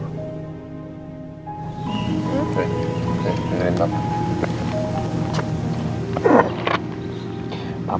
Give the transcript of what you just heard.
rey rey dengerin papa